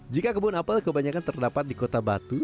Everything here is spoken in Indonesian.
jika kebun apel kebanyakan terdapat di kota batu